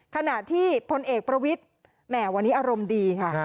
ขณะที่พลเอกประวิทย์แหมวันนี้อารมณ์ดีค่ะ